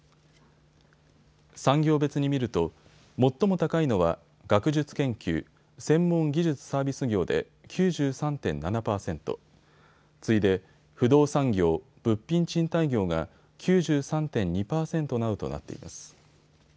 産業別に見ると最も高いのは学術研究、専門・技術サービス業で９３．７％、次いで不動産業、物品賃貸業が９３．２％などとなっています。